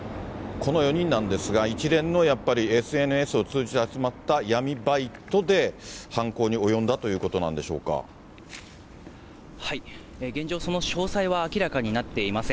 この４人なんですが、一連の、やっぱりＳＮＳを通じて集まった闇バイトで、犯行に及んだという現状、その詳細は明らかになっていません。